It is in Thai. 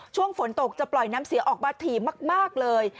ช่วงฝนตกจะปล่อยน้ำเสียออกมาถี่มากเลย